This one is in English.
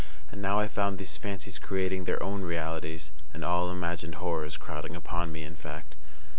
And now I found these fancies creating their own realities, and all imagined horrors crowding upon me in fact.